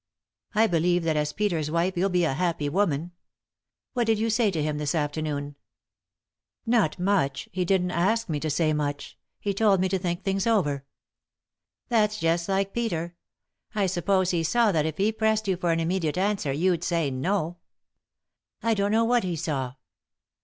I believe that as Peter's wife you'll be a happy woman. What did you say to him this afternoon ?"" Not much, he didn't ask me to say much ; he told me to think things over." " That's just like Peter. I suppose he saw that it he pressed you for an immediate answer you'd say 'No'?" "I don't know what he saw."